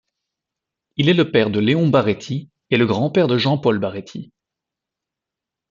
Il est le père de Léon Baréty et le grand-père de Jean-Paul Baréty.